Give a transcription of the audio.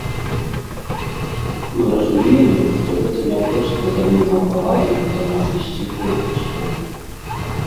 Мы разумеем, што гэта не проста даніна павагі да нашай сціплай персоны.